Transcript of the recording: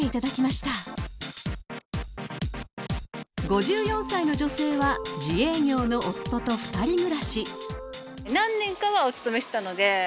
［５４歳の女性は自営業の夫と２人暮らし］